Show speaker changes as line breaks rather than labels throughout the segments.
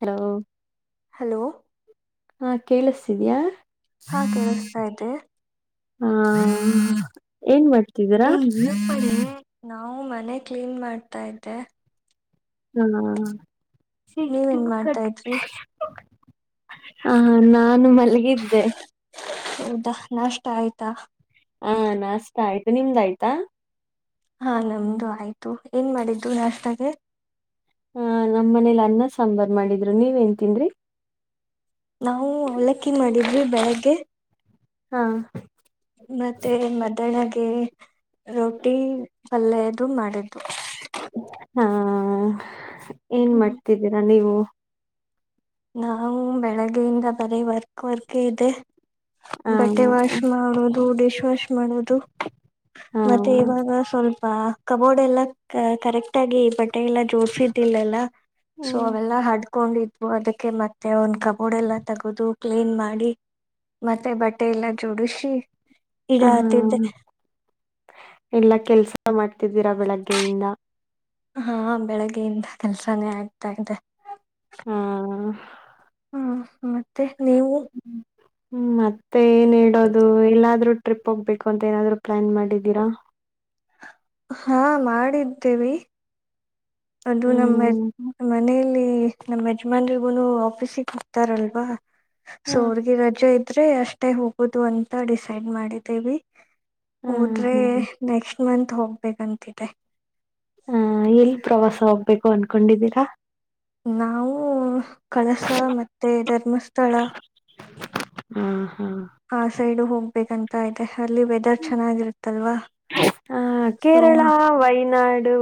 Hello
hello
ಹಾ ಕೇಳಿಸತಿದ್ಯಾ.
ಹಾ ಕೇಳಿಸ್ತಾ ಇದ್ದೆ.
ಹಾ ಏನ್ ಮಾಡ್ತಿದೀರಾ
ನಾವು ಮನೆ ಕ್ಲೀನ್ ಮಾಡ್ತಾ ಇದ್ದೆ
ಹ್ಮ ಶತಿ
ನೀವೇನ್ ಮಾಡ್ತಾ ಇದ್ರಿ
ಹ ನಾನು ಮಲ್ಲಿಗಿದ್ದೆ
ಹೌದಾ ನಾಷ್ಟ ಆಯ್ತಾ
ಹಾ ನಾಷ್ಟತ ಆಯ್ತು ನಿಮ್ದಾಯ್ತಾ
ಹಾ ನಮ್ದು ಆಯ್ತು ಏನ್ ಮಾಡಿದ್ದು ನಾಷ್ಟತಾಗ
ಹ ನಮ್ಮ ಮನೇಲಿ ಅನ್ನ ಸಾಂಬಾರ್ ಮಾಡಿದ್ರು ನೀವ ನ್ ತಿನ್ರಿ
ನಾವು ಅವಲಕ್ಕಿ ಮಾಡಿದ್ರಿ ಬ್ಯಾಗಗೆ
ಹಾ
ಮತ್ತೆ ಮದ್ಯಾನಗೆ ರೊಟಿ ಪಲ್ಯದು ಮಾಡಿದ್ದುದು
ಹಾ ಏನ್ ಮಾಡ್ತಿದ್ದೀರಾ ನೀವು
ನಾವು ಬೆಳಗ್ಗೆಯಿಂದ ಬರೀ ವರ್ಕ್ ವರ್ಕ್ ಇದೆ
ಹ
ಬಟ್ಟೆ ವಾಶ್ ಮಾಡೋದು ಡಿಶ್ ವಾಶ್ ಮಾಡೋದು
ಹಾ
ಮತ್ತೆ ಇವಾಗ ಸ್ವಲ್ಪ ಕಬೋರ್ಡ್ ಎಲ್ಲ ಕರೆಕ್ಟ್ ಆಗಿ ಬಟ್ಟೆ ಎಲ್ಲಾ ಜೋಡ್ಸಿದ್ದಿಲ್ಲಲ್ಲ ಸೊ
ಹ್ಮ್
ಅವೆಲ್ಲಾ ಹಡ್ಕೊಂಡಿದ್ವು ಅದಕ್ಕೆ ಕೆ ಮತ್ತೆ ಒಂದ್ ಕಬೋರ್ಡ್ ಎಲ್ಲ ತಗೋದು ಕ್ಲೀನ್ ಮಾಡಿ ಮತ್ತೆ ಬಟ್ಟೆ ಎಲ್ಲ ಜೋಡಿಸಿ.
ಹ
ಇಡಾತಿದ್ದೆ
ಹ ಎಲ್ಲಾ ಕೆಲ್ಸ ಮಾಡ್ತಿದ್ದೀರಾ ಬೆಳಗ್ಗೆಯಿಂದ.
ಹಾ ಬೆಳಗ್ಗೆಯಿಂದ ಕೆಲ್ಸಾನೇ ಆಗ್ತಾ ಇದೆ.
ಹ್ಮ.
ಹ್ಮ್ ಮತ್ತೆ ನೀವು.
ಹ್ಮ್ ಮತ್ತೆ ಏನ್ ಹೇಳೋದು ಎಲ್ಲಾದ್ರೂ ಟ್ರಿಪ್ ಹೋಗ್ಬೇಕು ಅಂತ ಏನಾದ್ರು ಪ್ಲಾನ್ ಮಾಡಿದ್ದೀರಾ.
ಹಾ ಮಾಡಿದ್ದೇವಿ. ಅದು ನಮ್ಮ
ಹ್ಮ್
ಮನಲಿ ನಮ್ಮ್ ಯಜಮಾನ್ರಿಗೂನು ಆಫೀಸಿಗೆ ಹೋಗತಾರಲ್ವಾ.
ಹಾ
ಸೊ ಅವರ್ಗ ರಜೆ ಇದ್ರೆ ಅಷ್ಟೇ ಹೋಗುದು ಅಂತ ಡಿಸೈಡ್ ಮಾಡಿದ್ದೇವಿ.
ಹಾ
ಹೋದ್ರೆ
ಹಾ
ನೆಕ್ಸ್ಟ್ ಮಂತ್ ಹೋಗ್ಬೇಕಂತಿದೆೆ.
ಎಲ್ಲಿ ಪ್ರವಾಸ ಹೋಗ್ಬೇಕು ಅನ್ಕೊಂಡಿದ್ದೀರಾ.
ನಾವು ಕಳಸ ಮತ್ತೆ ಧರ್ಮಸ್ಥಳ.
ಹ್ಮ ಹಾ.
ಆ ಸೈಡು ಹೋಗ್ಬೇಕಂತ ಇತೆ ಅಲ್ಲಿ ವೆದರ್ ಚೆನ್ನಾಗಿರುತ್ತಲ್ವಾ
ಹ
ಸೊ
ಕೇರಳ ವಯನಾಡು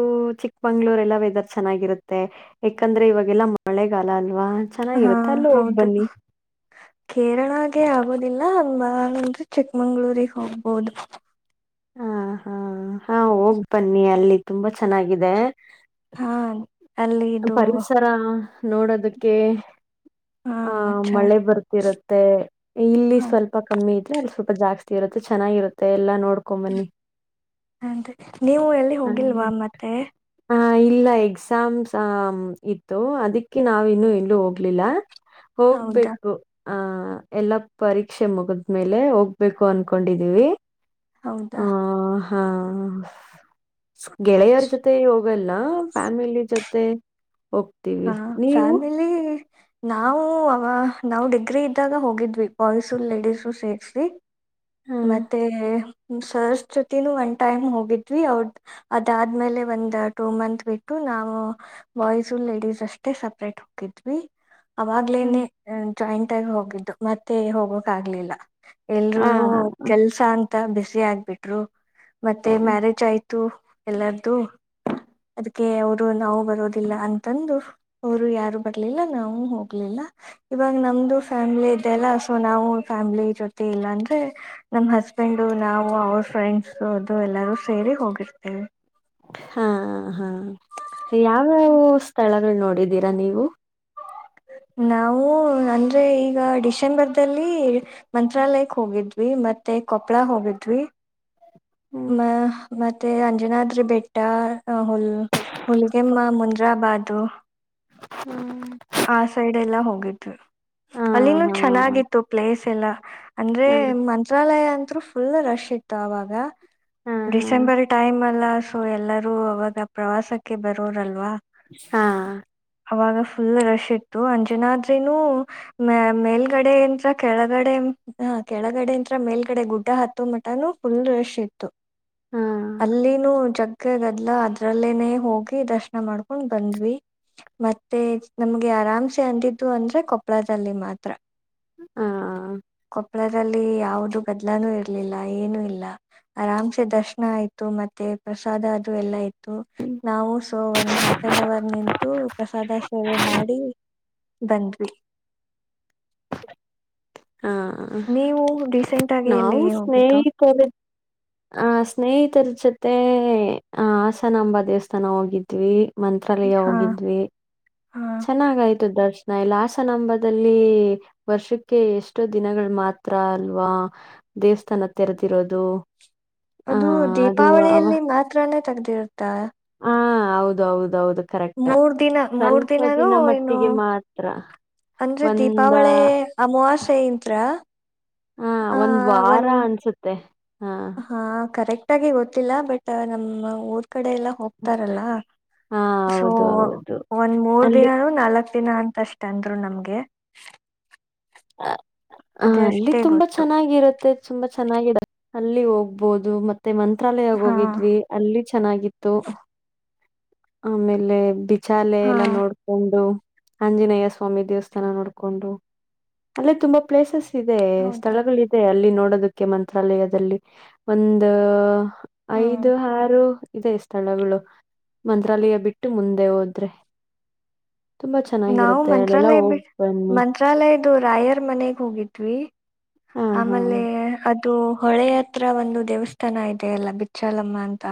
ಚಿಕ್ಕಮಂಗ್ಳೂರ್ ಎಲ್ಲ ವೆದರ್ ಚೆನ್ನಾಗಿರುತ್ತೆ ಯಾಕಂದ್ರೆ ಇವಾಗೆಲ್ಲಾ ಮಳೆಗಾಲ ಅಲ್ವಾ ಚೆನ್ನಾಗಿರುತ್ತೆ ಅಲ್ ಹೋಗ್ಬನ್ನಿ
ಕೇರಳಾಗೆ ಆಗೋದಿಲ್ಲ ಅಂದ ಅಂದ್ರೆ ಚಿಕ್ಮಂಗ್ಳೂರಿಗೆ ಹೋಗ್ಬೋದು.
ಹಾ ಹಾ ಹಾ ಹೋಗ್ ಬನ್ನಿ ಅಲ್ಲಿ ತುಂಬಾ ಚೆನ್ನಾಗಿದೆ.
ಹಾ. ಅಲ್ಲಿ ಇದು
ಪರಿಸರ ನೋಡೋದಕ್ಕೆ
ಹಾ
ಆ
ಮಚ್ಚಾ
ಮಳೆ ಬರ್ತಿರು ಮತೇ ಇಲ್ಲಿ
ಹಾ
ಸ್ವಲ್ಪ ಕಮ್ಮಿ ಇದ್ರೆ ಅಲ್ಲಿ ಸ್ವಲ್ಪ ಜಾಸ್ತಿ ಇರುತ್ತೆ ಚನ್ನಾಗಿರುತ್ತೆ ಎಲಾ ನೋಡ್
ಅ ನೀವು ಎಲ್ಲಿ ಹೋಗಿಲ್ವಾ ಮತ್ತೆ.
ಹಾ ಇಲ್ಲ ಎಕ್ಸಾಮ್ಸ್. ಹ ಇತ್ತು ಅದಿಕ್ಕೆ ನಾವಿನ್ನುೂ ಎಲ್ಲೂ ಹೋಗ್ಲಿಲ್ಲ
ಹೌದಾ
ಹೋಗ್ಬೇಕು. ಆಹ ಎಲ್ಲ ಪರೀಕ್ಷೆ ಮುಗದ್ಮೇಲೆ ಹೋಗ್ಬೇಕು ಅನ್ಕೊಂಡಿದೀವಿ.
ಹೌದಾ
ಹಾ. ಹಾ ಗೆಳೆಯರ ಜೊತೆ ಹೋಗಲ್ಲ ಫ್ಯಾಮಿಲಿ ಜೊತೆ. ಜೊತೆ ಹೋಗ್ತೀನಿ
ಹಾ ಫ್ಯಾಮಿಲಿ. ನಾವು ಅವ ನಾವು ಡಿಗ್ರಿ ಇದ್ದಾಗ ಹೋಗಿದ್ವಿ ಬಾಯ್ಸು ಲೇಡೀಸು ಸೇರ್ಸಿ.
ಹಾ.
ಮತ್ತೆ ಸರ್ ಜೊತಿನೂ ಒನ್ ಟೈಮ್ ಹೋಗಿದ್ವಿ ಅವದ ಅದಾದ್ಮೇಲೆ ಒಂದ್ ಟೂ ಮಂತ್ ಬಿಟ್ಟು ನಾವು ಬಾಯ್ಸ್ ಲೇಡೀಸ್ ಅಷ್ಟೇ ಸಪ್ರೇಟ್ ಹೋಗಿದ್ವಿ
ಹಾ.
ಅವಾಗ್ಲೇನೆೇ ಜಾಯಿಂಟ್ ಆಗಿ ಹೋಗಿದ್ದು ಮತ್ತೆ ಹೋಗೋಕ್ ಆಗ್ಲಿಲ್ಲ ಎಲ್ರುೂ
ಆ!
ಸ ಅಂತ ಬಿಸಿ ಆಗ್ಬಿಟ್ರು ಮತ್ತೆ ಮ್ಯಾರೇಜ್ ಆಯ್ತು ಎಲ್ಲಾರ್ದು ಅದಕ್ಕೆ ಅವರು ನಾವು ಬರೋದಿಲ್ಲ ಅಂತಂದು ಅವರು ಯಾರು ಬರ್ಲಿಲ್ಲ ನಾವು ಹೋಗ್ಲಿಲ್ಲ ಇವಾಗ ನಮ್ದು ಫ್ಯಾಮ್ಲಿ ಇದದೆ ಅಲ್ಲ ಸೊ ನಾವು ಫ್ಯಾಮ್ಲಿ ಜೊತೆ ಇಲ್ಲ ಅಂದ್ರೆ ನಮ್ಮ್ ಹಸ್ಬೆಂಡು ನಾವು ಅವ್ರ ಫ್ರೆಂಡ್ಸ್ ಅದು ಎಲ್ಲರೂ ಸೇರಿ ಹೋಗಿರ್ತೇವೆ
ಹಾ ಹಾ ಯಾವ್ಯಾವ ಸ್ಥಳಗಳು ನೋಡಿದೀರಾ ನೀವು
ನಾವು ಅಂದರೆ ಈಗ ಡಿಸೆಂಬರ್ದಲ್ಲಿ ಮಂತ್ರಾಲಯಕ್ ಹೋಗಿದ್ವಿ ಮತ್ತೆ ಕೊಪ್ಪಳ ಹೋಗಿದ್ವಿ
ಹ್ಮ್.
ಮ ಮತ್ತೆ ಅಂಜನ ಆದ್ರೆ ಬೆಟ್ಟ ಹ ಹುಲಗೆಮ್ಮ ಮುಂದ್ರಾಬಾದು
ಹ್ಮ್
ಆ ಸೈಡ್ ಎಲ್ಲಾ ಹೋಗಿದ್ವಿ
ಆ!
ಅಲ್ಲಿನೂ
ಹಾ.
ಚೆನ್ನಾಗಿತ್ತು ಪ್ಲೇಸ್ ಎಲ್ಲ ಅಂದ್ರೆ
ಹಾ,
ಮಂತ್ರಾಲಯ ಅಂತರು ಫುಲ್ ರಶ್ ಇತ್ತು ಅವವಾಗ
ಹಾ, ಹಾ.
ಡಿಸೆಂಬರ್ ಟೈಮ್ ಅಲ್ಲ ಸೊ ಎಲ್ಲರೂ ಅವಾಗ ಪ್ರವಾಸಕ್ಕೆ ಬರೋರಲ್ವಾ
ಹಾ
ಅವಾಗ ಫುಲ್ ರಶ್ ಇತ್ತು ಅಂಜನಾದ್ರನು ಮ ಮೇಲ್ಗಡೆ ಂದ ಕೆಳಗಡೆ ಹಾ ಕೆಳಗಡೆ ಇಂತ್ರ ಮೇಲ್ಗಡೆ ಗುಡ್ಡ ಹತ್ತ ಮಟಾನೂ ಫುಲ್ ರಶ್ ಇತ್ತು
ಹಾ.
ಅಲ್ಲಿನುೂ ಜಗ್ ಅಕ್ಕಗದ್ಲ ಅದ್ರಲ್ಲೇನೆ ಹೋಗಿ ದರ್ಶನ ಮಾಡ್ಕೊಂಡ್ ಬಂದ್ವಿ ಮತ್ತೆ ನಮ್ಗೆ ಆರಾಮ್ಸೆ ಅಂದಿದ್ದು ಅಂದ್ರೆ ಕೊಪ್ಪಳದಲ್ಲಿ ಮಾತ್ರ
ಹ
ಕೊಪ್ಪಳದಲ್ಲಿ ಯಾವದು ಬದ್ಲಾನು ಇರ್ಲಿಲ್ಲ ಏನುೂ ಇಲ್ಲ ಆರಾಮ್ಸೆ ದರ್ಶನ ಆಯ್ತು ಮತ್ತೆ ಪ್ರಸಾದ ಅದು ಎಲ್ಲ ಇತ್ತು ನಾವು ಸೊ ಒಂದ್ ಹಾಫ್ ಎನ್ ಅವರ್ ನಿಂತು ಪ್ರಸಾದ ಸೇವೆ ಮಾಡಿ ಬಂದ್ವಿ
ಹಾ
ನೀವು ರೀಸೆಂಟ್ ಆಗಿ
ನಾವು
ಎಲ್ಲಿಗೆ ಹೋಗಿದ್ದು
ಸ್ನೇಹಿತರ ಆಹ ಸ್ನೇಹಿತರ ಜೊತೆ ಆ ಹಾಸನಾಂಬ ದೇವಸ್ಥಾನ ಹೋಗಿದ್ವಿ ಮಂತ್ರಾಲಯ ಹೋಗಿದ್ವಿ
ಹ
ಚೆನ್ನಾಗಾಯ್ತು ದರ್ಶನ ಇಲ್ಲಾಸನಂಬದಲ್ಲಿ ವರ್ಷಕ್ಕೆ ಎಷ್ಟೋ ದಿನಗಳು ಮಾತ್ರ ಅಲ್ವಾ ದೇವಸ್ಥಾನ ತೆರೆದಿರೋದು ಹ
ಅದು
ಅದು
ದೀಪಾವಳಿಯಲ್ಲಿ ಮಾತ್ರಾನೇ ತೆಗ್ದಿ ಇರ್ತ್ತ
ಹಾ ಹೌದ ಹೌದೌದು
ಮೂರ್ ದಿನ ಮೂರ್ ದಿನಾನೂ ಏನು
ಮಟ್ಟಿಗೆ ಮಾತ್ರ
ಅಂದ್ರೆ
ಒಂದ
ದೀಪಾವಳಿ ಅಮಾವಾಸ್ಯೆ ಇಂತ್ರತ್ರ
ಹಾ ಒಂದ್ ವಾರ ಅನ್ಸುತ್ತೆ ಹಾ
ಹಾ ಕರೆಕ್ಟಗ ಗೊತ್ತಿಲ್ಲ ಬಟ್ ನಮ್ಮ ಊರ್ ಕಡೆ ಎಲ್ಲ ಹೋಗ್ತಾರಲ್ಲ
ಹಾ
ಸೊ
ಹೌದು ಹೌದು
ಒಂದ್ ಮೂರ್
ಅಲ್ಲಿ
ದಿನಾನ ನಾಲ್ಕ್. ದಿನಾ ಅಂತ ಅಷ್ಟ ಅಂದ್ರು ನಮ್ಗೆ.
ಅ
ಅದೇ
ಅಲ್ಲಿ
ಅಷ್ಟೇ
ತುಂಬಾ
ಗೊತ್ತು
ಚೆನ್ನಾಗಿರುತ್ತೆ. ತುಂಬಾ ಚೆನ್ನ ಅಲ್ಲಿ ಹೋಗ್ಬೋುದು ಮ. ಮತ್ತೆ ಮಂತ್ರಾಲಯಗ
ಹಾ
ಹೋಗಿದ್ವಿ ಅಲ್ಲಿ ಚೆನ್ನಾಗಿತ್ತು. ಆಮೇಲೆ ಬಿಚಾಲೆ
ಹಾ
ಎಲ್ಲಾ ನೋಡ್. ಕೊಂಡು ಆಂಜನೇಯ ಸ್ವಾಮಿ ದೇವಸ್ಥಾನ ನೋಡ್ಕೊಂಡು ಅಲ್ಲೇ ತುಂಬಾ ಪ್ಲೇಸಸ್. ಇದೆ
ಹೌದಾ
ಸ್ಥಳಗಳ ಇದೆ ಅಲ್ಲಿ ನೋಡೋದಕ್ಕೆ ಮಂತ್ರಾಲಯದಲ್ಲಿ ಒಂದು.
ಹ್ಮ್
ಐದು ಆರು ಇದೆ ಸ್ಥಳಗಳು ಮಂತ್ರಾಲಯ ಬಿಟ್ಟು ಮುಂದೆ ಹೋದ್ರೆ. ತುಂಬಾ
ನಾವು
ಚೆನ್ನಾಗಿರುತ್ತೆ ಅಲ್ಲೆಲ್ಲ
ಮಂತ್ರಾಲಯ
ಹೋಗ್
ಬಿಟ್ಟ
ಬನ್ನಿ.
ಮಂತ್ರಾಲಯದು ರಾಯರ್ ಮನೆಗ್ ಹೋಗಿದ್ವಿ.
ಹಾ, ಹಾ.
ಆಮೇಲೆ ಅದ. ಇದು ಹೊಳೆಯ ಹತ್ರ ಒಂದು ದೇವಸ್ಥಾನ ಇದೆ ಅಲ್ಲ ಬಿಚ್ಚಾಲಮ್ಮ ಅಂತ.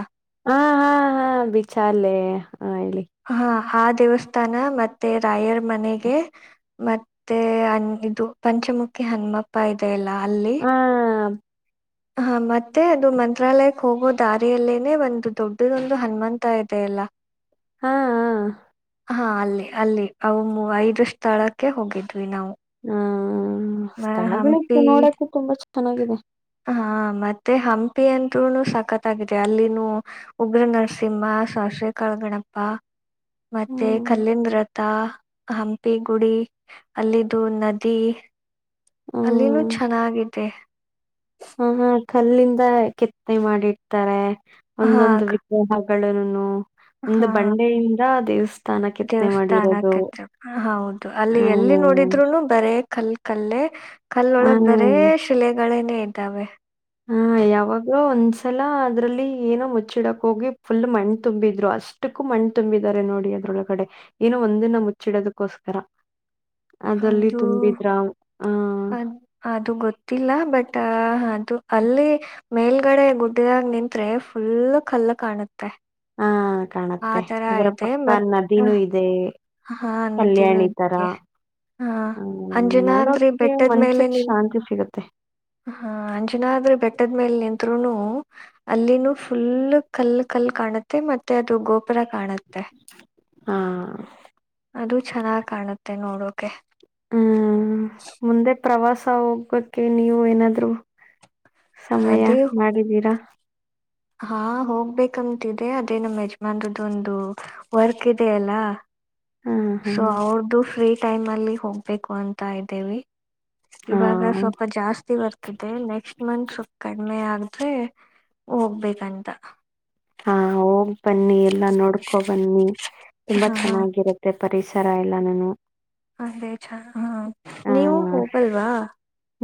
ಹಾ ಹಾ ಹಾ ಬಿೀಚ ಅಲ್ಲೇ ಹ ಹೇಳಿ.
ಹಾ ಆ ದೇವಸ್ಥಾನ ಮತ್ತೆ ರಾಯರ್ ಮನೆಗೆ. ಮತ್ತೆ ಅ ಇದು ಪಂಚಮುಖಿ ಹನುಮಪ್ಪ ಇದೆೆಯಲ್ಲ ಅಲ್ಲಿ.
ಹಾ.
ಹಾ ಮತ್ತೆ ಅದು ಮಂತ್ರಾಲಯಕ್ ಹೋಗೋ ದಾರಿಯಲ್ಲೇನೆ ಒಂದು ದೊಡ್ಡದೊಂದು ಹನುಮಂತ ಇದೆೆಯಲ್ಲ.
ಹಾ.
ಹಾ ಅಲ್ಲಿ ಅಲ್ಲಿ ಅವು ಐದು ಸ್ಥಳಕ್ಕೆ ಹೋಗಿದ್ವಿ ನಾವು.
ಹ್ಮ
ಮ-
ಸ್ಥಳಗಳಿಗೆ
ಹಂಪಿ
ನೋಡಕ ತುಂಬಾ ಚೆನ್ನಾಗಿದೆ.
ಹಾ ಮತ್ತೆ ಹಂಪಿ ಅಂದೂ ಸಖತ್ ಗಿದೆ ಅಲ್ಲಿನ ಉಗ್ರ ನರಸಿಂಹ ಸಶ್ರೀ ಕಳಗಣಪ್ಪ ಮತ್ತೆ
ಹ್ಮ್,
ಖಲ್ಲಿಂದ ರಥ ಹಂಪಿ ಗುಡಿ ಅಲ್ಲಿದ್ದು ನದಿ ಅಲ್ಲಿನೂ
ಹ್ಮ್.
ಚೆನ್ನಾಗಿದೆ
ಹಾ ಹಾ ಕಲ್ಲಿಂದ ಕೆತ್ತನೆ ಮಾಡಿಡ್ತಾರೆ
ಹಾ
ಒಂದೊಂದು
ಕ-
ಗ್ರಹಗಳನು ಒಂದು ಬಂಡೆಯಿಂದ ದೇವಸ್ಥಾನ ಕೆತ್ತನೆ
ದೇವಸ್ಥಾನ
ಮಾಡಿರೋದು.
ಕತ್ ಹೌದು ಅಲ್ಲಿ ಎಲ್ಲಿ
ಹ್ಮ್,
ನೋಡಿದ್ರುನು ಬರೇ ಕಲ್ ಕಲ್ಲೇ ಕಲ್ಲೊಳಗ್ ಬರೇ
ಹ್ಮ್.
ಶಿಲೆಗಳೇನೆೇ ಇದ್ದಾವೆ
ಹ ಯಾವಾಗ ಒಂದ್ಸಲ ಅದ್ರಲ್ಲಿ ಏನೋ ಮುಚ್ಚಿಡಕ್ ಹೋಗಿ ಫುಲ್ ಮಣ್ಣು ತುಂಬಿದ್ರು ಅಷ್ಟ ಮಷ್ಟಕ್ಕೂ ಮಣ್ಣ್ ತುಂಬಿದ್ದಾರೆ ನೋಡಿ ಅದ್ರೊಳಗಡೆ ಏನೋ ಒಂದಿನ ಮುಚ್ಚಿಡೋದಕ್ಕೋಸ್ಕರ ಅದಲ್ಲಿ
ಅದು
ತುಂಬಿದ್ರ ಹಹ
ಅದ್ ಅದು ಗೊತ್ತಿಲ್ಲ ಬಟ್ ಅದು ಅಲ್ಲೇ ಮೇಲ್ಗಡೆ ಗುಡ್ಡಿದಾಗ ನಿತ್ ಫುಲ್ ಕಲ್ಲು ಕಾಣುತ್ತೆ ಆ
ಕಾಣುತ್ತೆ
ತರ
ಅದ್ರ
ಇದೆ
ಪಕ್ಕ
ಮತ್ ಆ,
ನದಿನೂ ಇದೆ
ಹಾ
ಕಲ್ಯಾಣ
ನದಿನೂ
ಈ ತರ
ಇದೆ ಹಾ
ಹ್ಮ
ಅಂಜನಾದ್ರಿ
ನೋಡೋಕ್ಕೆ
ಬೆಟ್ಟದ್ ಮೇಲೆ
ಒನ್ಸಕ್
ನಿಂತ್
ಶಾಂತಿ ಸಿಗುತ್ತೆ.
ಹಾ ಅಂಜನ ಆದ್ರೆ ಬೆಟ್ಟದ ಮೇಲೆ ನಿತ್ರುನು. ಅಲ್ಲಿನ ಫುಲ್ ಕಲ್ ಕಲ್ ಕಾಣುತ್ತೆ ಮತ್ತೆ ಅದು ಗೋ ಪ್ರ ಕಾಣುತ್ತೆ
ಹಾ.
ಅದು ಚೆನ್ನಾಗಿ್ ಕಾಣುತ್ತೆ ನೋಡೋಕೆ
ಹ್ಮ್ ಮುಂದೆ ಪ್ರವಾಸ ಹೋಗಕ್ಕೆ ನೀವು ಏನಾದ್ರು ಸಮಯ
ಅದೇ
ಮಾಡಿದ್ದೀರಾ
ಹಾ ಹೋಗ್ಬೇಕಂತಿದೆ ಅದೇ ನಮ್ಮ್ ಯಜಮನ್ ಒಂದು ವರ್ಕ್ ಇದೆ ಅಲ್ಲಾ
ಹಾ, ಹಾ.
ಸೊ ಅವ್ರ್ದು ಫ್ರೀ ಟೈಮ್ ಅಲ್ಲಿ ಹೋಗ್ಬೇಕು ಅಂತ ಇದ್ದೇವಿ
[unintelligible]
ಇವಾಗ ಸ್ವಲ್ಪ ಜಾಸ್ತಿ ಬರ್ತಿದೆ ನೆಕ್ಸ್ಟ್ ಮಂತ್ ಸ್ವಲ್ ಕಡಿಮೆ ಆದಗ್ರೆ ಹೋಗ್ಬೇಕಂತ
ಹಾ ಹೋಗ್ ಬನ್ನಿ ಎಲ್ಲ ನೋಡ್ಕೊ ಬನ್ನಿ ತುಂಬಾ
ಹಾ
ಚೆನ್ನಾಗಿರುತ್ತೆ ಮತ್ತು ಪರಿಸರ ಎಲ್ಲ ನಾನು
ಅದೇ ಚ ಹ
ಆ
ನೀವು ಹೋಗಲ್ವಾ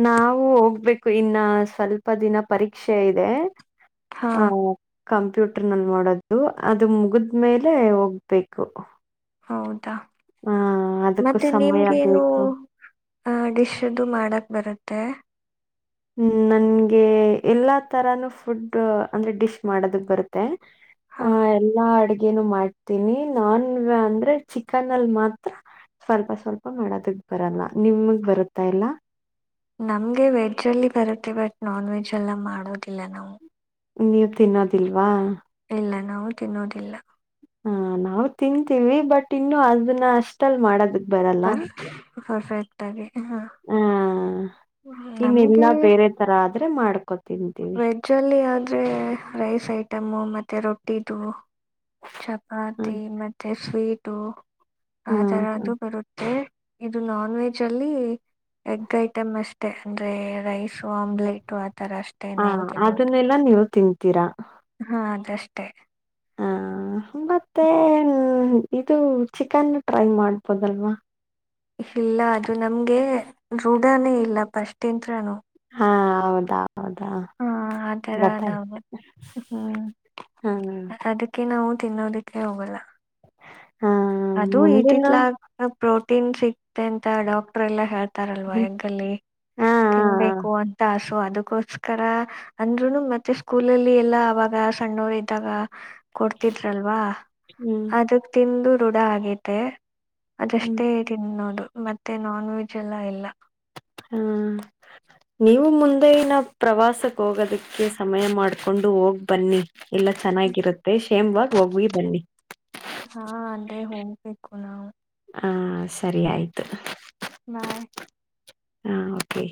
ನಾವು ಹೋಗ್ಬೇಕು ಇನ್ನ ಸ್ವಲ್ಪ ದಿನ ಪರೀಕ್ಷೆ ಇದೆ ಹಾ ಕ ಕಂಪ್ಯೂಟರ್ ನಲ್ಲಿ ನೋಡೋದು ಅದು ಮುಗಿದ್ಮೇಲೆ ಹೋಗ್ಬೇಕು
ಹೌದಾ
ಆ ಅದಕ್ಕೂ
ಮತ್ತೆ
ಸಮಯ
ನಿಮ್ಗೇನು
ಬೇಕು
ಆಹ ಡಿಶ್ ಮಾಡಕ್ ಬರುತ್ತೆ
ಹ್ಮ್ ನನ್ಗೆ ಎಲ್ಲಾ ತರಾನು ಫುಡ್ ಅಂದ್ರೆ ಡಿಶ್ ಮಾಡೋದಕ್ ಬರುತ್ತೆ
ಹಾ
ಹ ಎಲ್ಲಾ ಅಡ್ಗೆನು ಮಾಡ್ತೀನಿ ನಾನ್ ಅಂದ್ರೆ ಚಿಕನ್ ಅಲ್ ಮಾತ್ರ ಸ್ವಲ್ಪ ಸ್ವಲ್ಪ ಮಾಡೋದಕ್ ಬರಲ್ಲ ನಿಮಗ್ ಬರುತ್ತಾ ಇಲ್ಲ
ನಮ್ಗೆ ವೆಜ್ ಅಲ್ಲಿ ಬರುತ್ತೆ ಬಟ್ ನಾನ್ ವೆಜ್ ಎಲ್ಲ ಮಾಡೋದಿಲ್ಲ ನಾವು
ನೀವು ತಿನ್ನೋದಿಲ್ವಾ
ಇಲ್ಲ ನಾವು ತಿನ್ನೋದಿಲ್ಲ
ಹ ನಾವು ತಿಂತೀವಿ ಬಟ್ ಇನ್ನು ಅದನ್ನ ಅಷ್ಟ ಲ್ ಮಾಡೋದಕ್ ಬರಲ್ಲ
ಪರ್ಫೆಕ್ಟ್ ಆಗಿ
ಹ ಇನ್ನ ಎಲ್ಲಾ
ನಮ್ಗೆ
ಬೇರೆ ತರ ಆದ್ರೆ ಮಾಡ್ಕೊ ತಿಂತೀವಿ
ಜಲ್ಲಿ ಆದರೆ ರೈಸ್ ಐಟಮ್ಮು ಮೆ ರೊಟ್ಟಿದು
ಹ
ಚಪಾತಿ ಮತ್ತೆ ಸ್ವೀಟು ಆ
ಹ್ಮ್ ಹ್ಮ್
ತರ್ದು ಬರುತ್ತೆ ಇದು ನಾನ್ ವೆಜ್ ಅಲ್ಲಿ ಎಗ್ ಐಟಮ್ ಅಷ್ಟೇ ಅಂದ್ರೆ ರೈಸು ಆಮ್ಲೆಟು ಆಥರ ಅಷ್ಟೆ
ಹಾ ಅದನ್ನೆಲ್ಲಾ ನೀವು ತಿಂತೀರಾ
ಹಾ ಅದಷ್ಟೇ
ಹಾ ಮತ್ತೆ ಇದು ಚಿಕನ್ನು ಟ್ರೈ ಮಾಡ್ಬೋದಲ್ವಾ?
ಇಲ್ಲ ಅದು ನಮ್ಗೆ ರೂಢಾನೇ ಇಲ್ಲ ಪಸ್ಟ್ ಇಂತ್ರನು.
ಹಾ ಹೌದಾ ಹೌದಾ.
ಹ ಆ ತರ
ಗೊತ್ತಾಯ್ತು
ನಾವು ಹ್ಮ್
ಹಾ
ಅದ. ಕೆ ನಾವು ತಿನ್ನೋದಕ್ಕೆ ಹೋಗಲ್ಲ.
ಹಾ
ಅದು
ಮುಂದಿನ
ಇತಿತ್ಲಾಗ್ ಪ್ರೋಟೀನ್ ಸಿಗ್ತೆ ಅಂತ ಡಾಕ್ಟರ್ ಎಲ್ಲಾ ಹೇಳ್ತ. ತಾರಲ್ವ
ಹ್ಮ್.
ಹೆಂಗಲ್ಲಿ
ಹಾ ಹಾ ಹಾ
ತಿನ್ಬೇಕು ಅಂತ ಆಸು ಅದಕ್ಕೋಸ್ಕರ. ಅಂದ್ರುನು ಮತ್ತೆ ಸ್ಕೂಲಲ್ಲಿ ಎಲ್ಲಾ ಅವಾಗ ಸಣ್ಣವರು ಇದ್ದಾಗ ಕೊಡ್ತಿದ್ರಲ್ವಾ.
ಹ್ಮ್.
ಅದಕ್ ತಿಂದು ರೂಢ ಆಗೈತೆ
ಹ್ಮ್
ಅದಷ್ಟೇ. ತಿನ್ನೋದು ಮತ್ತೆ ನಾನ್ ವೆಜ್ ಎಲ್ಲ ಇಲ್ಲ.
ಹ್ಮ. ನೀವು ಮುಂದೆನ ಪ್ರವಾಸಕ್ಕ್ ಹೋಗೋದಕ್ಕೆ ಸಮಯ ಮಾಡ್ಕೊಂಡು ಹೋಗ್ ಬನ್ನಿ. ಎಲ್ಲ ಚೆನ್ನಾಗಿರುತ್ತೆ ಕ್ಷೇಮ್ವಾಗ್ ಹೋಗಿ ಬನ್ನಿ.
ಅಂದೆ ಹೋಗ್ಬೇಕು ನಾವು.
ಹ ಸರಿ ಆಯ್ತು.
ಬಾಯ್.
ಹಾ ಓಕೆ.